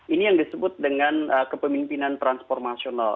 ini yang disebut dengan kepemimpinan transformasional